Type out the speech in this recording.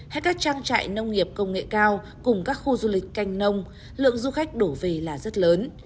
hay các trang trại nông nghiệp công nghệ cao cùng các khu du lịch canh nông lượng du khách đổ về là rất lớn